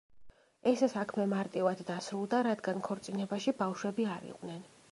ეს საქმე მარტივად დასრულდა, რადგან ქორწინებაში ბავშვები არ იყვნენ.